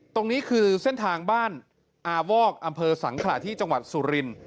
ตรงนี้คือเส้นทางบ้านอวอสังขลาดที่จังหวัดสุรินทร์